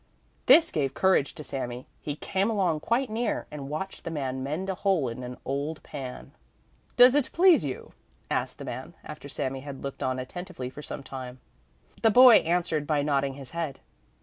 This gave courage to Sami; he came along quite near, and watched the man mend a hole in an old pan. "Does it please you?" asked the man, after Sami had looked on attentively for some time. The boy answered by nodding his head.